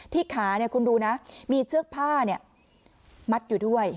ที่ขาเนี่ยคุณดูนะมีเชือกผ้าเนี่ยมัดอยู่ด้วย